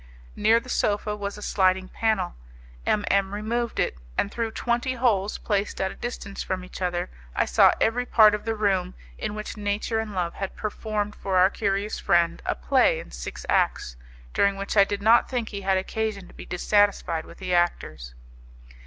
Near the sofa was a sliding panel. M M removed it, and through twenty holes placed at a distance from each other I saw every part of the room in which nature and love had performed for our curious friend a play in six acts, during which I did not think he had occasion to be dissatisfied with the actors.